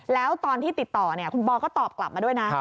แล้วตอนที่ติดต่อคุณปอก็ตอบกลับมาด้วยนะ